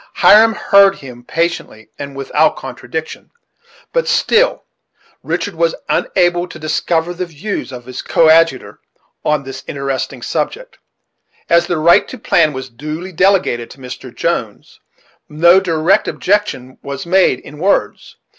Hiram heard him patiently, and without contradiction, but still Richard was unable to discover the views of his coadjutor on this interesting subject. As the right to plan was duly delegated to Mr. Jones, no direct objection was made in words.